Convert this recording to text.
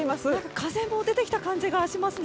風も出てきた感じがしますね。